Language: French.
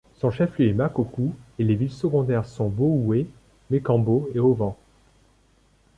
Son chef-lieu est Makokou et les villes secondaires sont Booué, Mékambo et Ovan.